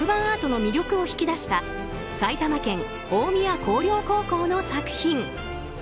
アートの魅力を引き出した埼玉県大宮光陵高校の作品。